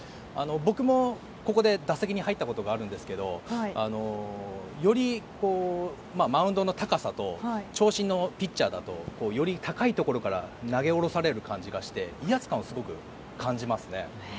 僕も、ここで打席に入ったことがあるんですけどマウンドの高さと長身のピッチャーだとより高いところから投げ下ろされる感じがして威圧感をすごく感じますね。